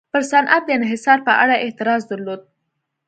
پر صنعت د انحصار په اړه اعتراض درلود.